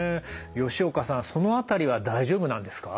吉岡さんその辺りは大丈夫なんですか？